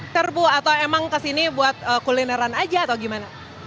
terbu atau emang ke sini buat kulineran aja atau gimana